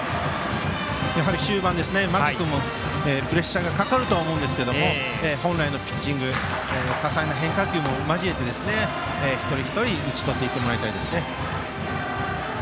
やはり終盤、間木君もプレッシャーがかかると思いますが本来のピッチング多彩な変化球を交えて一人一人打ち取ってもらいたいですね。